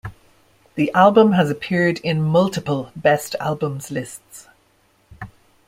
The album has appeared in multiple "best albums" lists.